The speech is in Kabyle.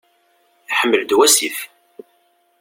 Iḥmel-d wasif.